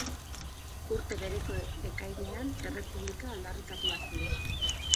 Urte bereko ekainean errepublika aldarrikatua zen.